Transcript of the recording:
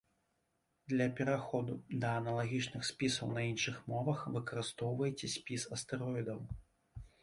Для пераходу да аналагічных спісаў на іншых мовах выкарыстоўвайце спіс астэроідаў.